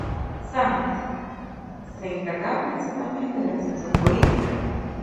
Sanz se encargaba principalmente de la sección política.